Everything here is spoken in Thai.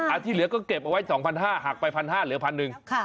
อันที่เหลือก็เก็บไว้๒๕๐๐บาทหากไป๑๕๐๐บาทเหลือ๑๐๐๐บาท